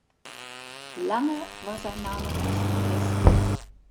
Lange war sein Name fast vergessen.